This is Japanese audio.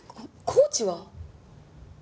コーチは？